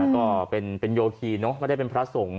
ก็เป็นโยคีเนอะไม่ได้เป็นพระสงฆ์